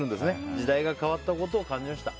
時代が変わったことを感じました。